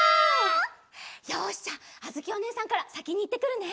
よしじゃああづきおねえさんからさきにいってくるね！